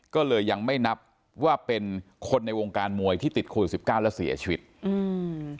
ก็เลยยังไม่นับว่าเป็นคนในวงการมวยที่ติดโควิดสิบเก้าแล้วเสียชีวิตอืม